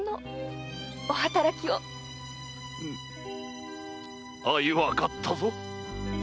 うむ相わかったぞ！